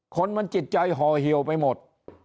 คนมันจิตใจห่อเหี่ยวไปหมด